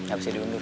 gak bisa diundur